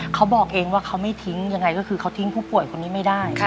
เขาบอกเองว่าเขาไม่ทิ้งยังไงก็คือเขาทิ้งผู้ป่วยคนนี้ไม่ได้